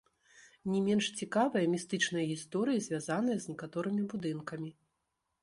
Не менш цікавыя містычныя гісторыі звязаныя з некаторымі будынкамі.